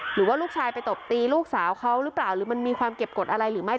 หรือว่าลูกชายไปตบตีลูกสาวเขาหรือเปล่าหรือมันมีความเก็บกฎอะไรหรือไม่